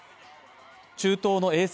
中東の衛星